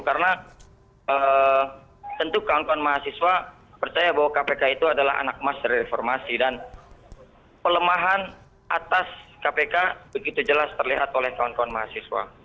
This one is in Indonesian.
karena tentu kawan kawan mahasiswa percaya bahwa kpk itu adalah anak emas dari reformasi dan pelemahan atas kpk begitu jelas terlihat oleh kawan kawan mahasiswa